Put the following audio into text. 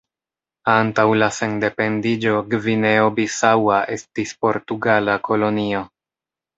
Antaŭ la sendependiĝo Gvineo-Bisaŭa estis portugala kolonio.